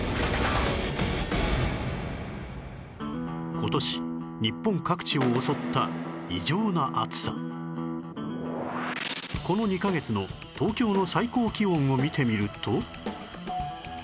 今年日本各地を襲ったこの２カ月の東京の最高気温を見てみると